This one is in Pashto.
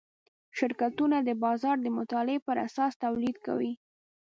شرکتونه د بازار د مطالعې پراساس تولید کوي.